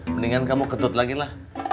mendingan kamu ketut lagi lah